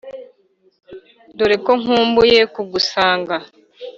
dore ko nkumbuye kugusanga